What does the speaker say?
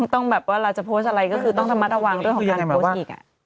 อืมต้องแบบว่าเราจะโพสต์อะไรก็คือต้องทำมาตะวังด้วยของการโพสต์อีก